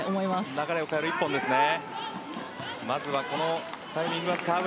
流れを変える一本ですね。